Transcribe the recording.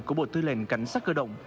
của bộ tư lệnh cảnh sát cơ động